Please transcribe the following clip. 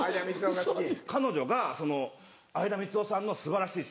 彼女が相田みつをさんの素晴らしい詩。